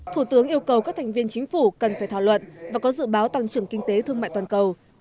thủ tướng yêu cầu các thành viên chính phủ cần phải thảo luận và có dự báo tăng trưởng kinh tế thương mại toàn cầu